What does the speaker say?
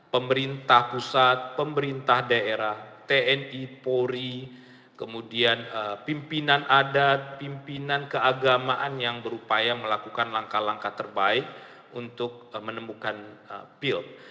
pemerintah pusat pemerintah daerah tni polri kemudian pimpinan adat pimpinan keagamaan yang berupaya melakukan langkah langkah terbaik untuk menemukan pil